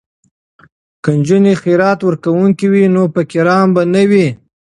که نجونې خیرات ورکوونکې وي نو فقیران به نه وي.